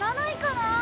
なあ。